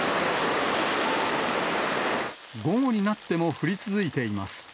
午後になっても降り続いています。